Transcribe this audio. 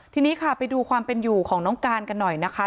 ทีนี้ค่ะไปดูความเป็นอยู่ของน้องการกันหน่อยนะคะ